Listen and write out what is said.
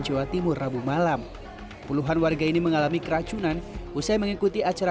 jawa timur rabu malam puluhan warga ini mengalami keracunan usai mengikuti acara